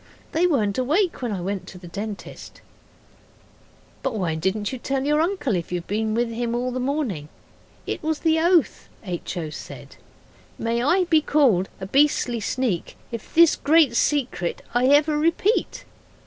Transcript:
'They weren't awake when I went to the dentist's.' 'But why didn't you tell your uncle if you've been with him all the morning?' 'It was the oath,' H. O. said 'May I be called a beastly sneak If this great secret I ever repeat.